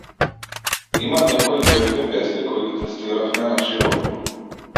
Има некои љубовни песни кои ги тестиравме на животни.